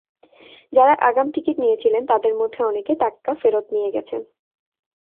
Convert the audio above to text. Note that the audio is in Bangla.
যাঁরা আগাম টিকিট নিয়েছিলেন, তাঁদের মধ্যে অনেকে টাকা ফেরত নিয়ে গেছেন।